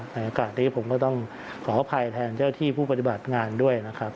อากาศนี้ผมก็ต้องขออภัยแทนเจ้าที่ผู้ปฏิบัติงานด้วยนะครับ